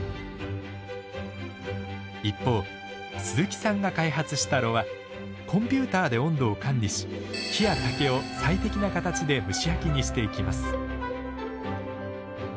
一方鈴木さんが開発した炉はコンピューターで温度を管理し木や竹を最適な形で蒸し焼きにしていきます。